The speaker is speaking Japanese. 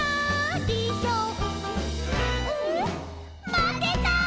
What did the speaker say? まけた」